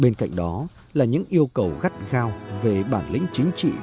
bên cạnh đó là những yêu cầu gắt gao về bản lĩnh chính trị vững vàng